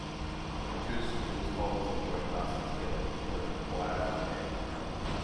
The two schools hold some joint classes together, including choir and band.